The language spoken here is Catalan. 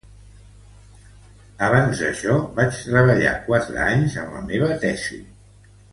Abans d'això, vaig treballar quatre anys en la meva tesi.